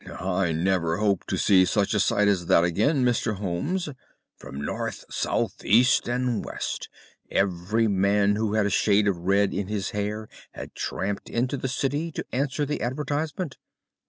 "I never hope to see such a sight as that again, Mr. Holmes. From north, south, east, and west every man who had a shade of red in his hair had tramped into the city to answer the advertisement.